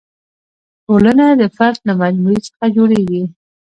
ټولنه د فرد له مجموعې څخه جوړېږي.